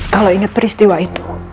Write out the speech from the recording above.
kalau inget peristiwa itu